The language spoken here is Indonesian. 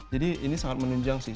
jadi ini sangat menunjang sih